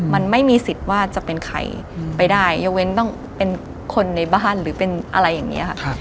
มันไม่มีสิทธิ์ว่าจะเป็นใครไปได้ยกเว้นต้องเป็นคนในบ้านหรือเป็นอะไรอย่างนี้ค่ะ